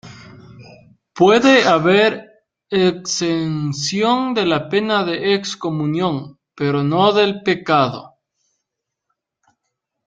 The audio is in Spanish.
Puede haber exención de la pena de excomunión, pero no del pecado.